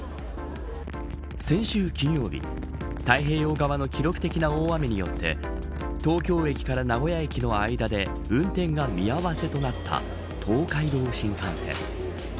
先週金曜日太平洋側の記録的な大雨によって東京駅から名古屋駅の間で運転が見合わせとなった東海道新幹線。